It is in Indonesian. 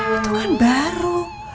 itu kan baru